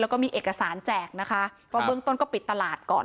แล้วก็มีเอกสารแจกนะคะเพราะเบื้องต้นก็ปิดตลาดก่อน